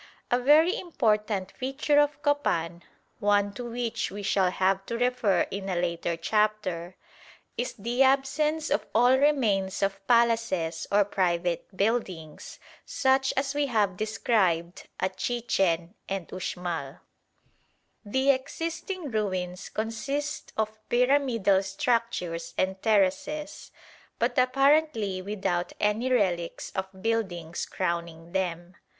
A very important feature of Copan one to which we shall have to refer in a later chapter is the absence of all remains of palaces or private buildings such as we have described at Chichen and Uxmal. The existing ruins consist of pyramidal structures and terraces, but apparently without any relics of buildings crowning them.